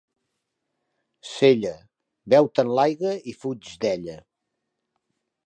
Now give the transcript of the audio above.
Sella, beu-te'n l'aigua i fuig d'ella.